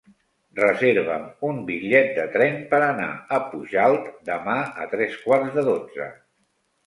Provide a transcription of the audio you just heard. Reserva'm un bitllet de tren per anar a Pujalt demà a tres quarts de dotze.